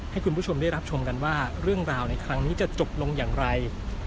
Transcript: ให้คุณผู้ชมได้รับชมกันว่าเรื่องราวในครั้งนี้จะจบลงอย่างไร